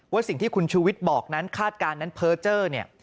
สิ่งที่คุณชูวิทย์บอกนั้นคาดการณ์นั้นเพอร์เจอร์เนี่ย